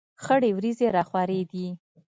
خړې ورېځې را خورې دي.